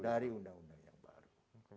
dari undang undang yang baru